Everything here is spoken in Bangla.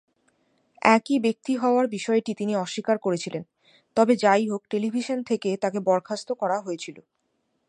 একই ব্যক্তি হওয়ার বিষয়টি তিনি অস্বীকার করেছিলেন, তবে যাই হোক টেলিভিশন থেকে তাকে বরখাস্ত করা হয়েছিল।